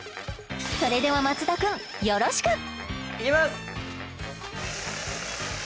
それでは松田君よろしく！いきます！